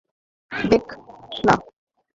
Bake, না!